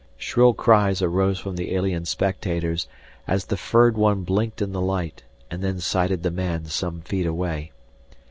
Shrill cries arose from the alien spectators as the furred one blinked in the light and then sighted the man some feet away.